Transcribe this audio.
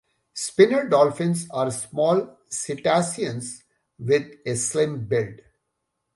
Spinner dolphins are small cetaceans with a slim build.